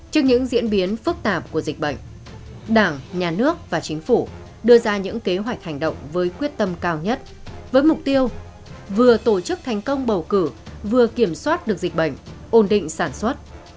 trước những diễn biến phức tạp của dịch bệnh đảng nhà nước và chính phủ đưa ra những kế hoạch hành động với quyết tâm cao nhất với mục tiêu vừa tổ chức thành công bầu cử vừa kiểm soát được dịch bệnh ổn định sản xuất